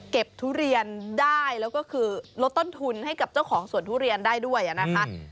ทุเรียนได้แล้วก็คือลดต้นทุนให้กับเจ้าของสวนทุเรียนได้ด้วยนะคะ